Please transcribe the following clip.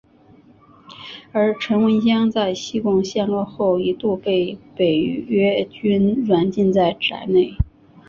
而陈文香在西贡陷落后一度被北越军软禁在宅内。